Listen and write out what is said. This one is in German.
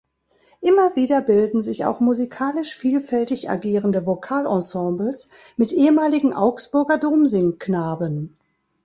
Immer wieder bilden sich auch musikalisch vielfältig agierende Vokalensembles mit ehemaligen Augsburger Domsingknaben.